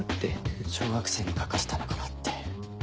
小学生に描かせたのかなって。